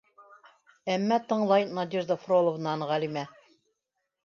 Әммә тыңлай Надежда Фроловнаны Ғәлимә.